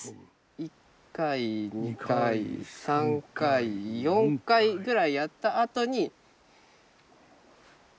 １回２回３回４回ぐらいやったあとに。